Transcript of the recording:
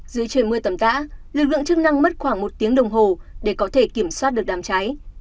dưới trời mưa tầm tã lực lượng chức năng mất khoảng một tiếng đồng hồ để có thể kiểm soát được đám cháy